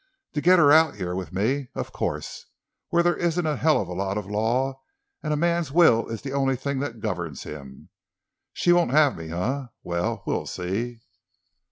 To get her out here with me, of course—where there isn't a hell of a lot of law, and a man's will is the only thing that governs him. She won't have me, eh? Well, we'll see!"